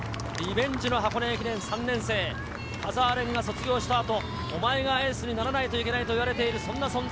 リベンジの箱根駅伝、３年生・田澤廉が卒業したあと、お前がエースにならないといけないと言われている、そんな存在。